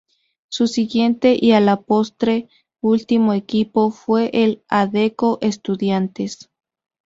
Su siguiente y a la postre último equipo fue el Adecco Estudiantes.